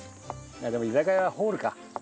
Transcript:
でも居酒屋はホールか。